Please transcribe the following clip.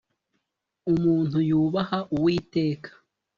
Umuntu yubaha uwiteka.